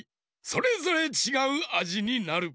それぞれちがうあじになる。